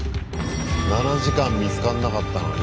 ７時間見つかんなかったのに？